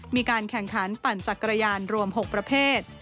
มีการแข่งขันปั่นจักรยานรวม๖ประเภท